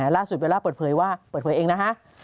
ล่อสุดเวลาเปิดเผยว่าเปิดเผยเองนะคะ